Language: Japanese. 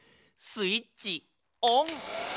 スイッチオン。